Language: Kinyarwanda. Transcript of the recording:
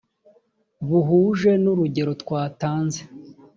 buhuje n urugero twatanze